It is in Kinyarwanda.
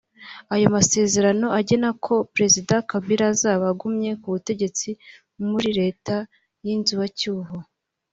Ayo masezerano agena ko Perezida Kabila azaba agumye ku butegetsi muri leta y’inzibacyuho